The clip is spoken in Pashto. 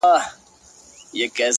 چې شین څادر به